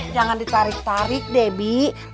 jangan ditarik tarik debbie